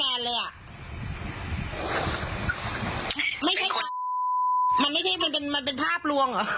ไม่ใช่ความมันเป็นภาพรวงเหรอ